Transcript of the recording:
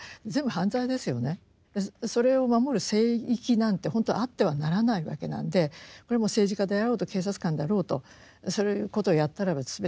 それを守る聖域なんて本当はあってはならないわけなんでこれもう政治家であろうと警察官だろうとそういうことをやったらば全て犯罪です。